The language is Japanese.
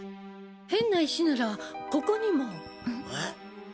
変な石ならここにも。